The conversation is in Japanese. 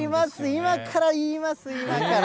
今から言います、今から。